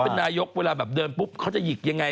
เป็นนายกเวลาแบบเดินปุ๊บเขาจะหยิกยังไง